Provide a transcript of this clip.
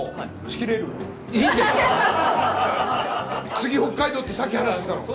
次北海道ってさっき話してたの。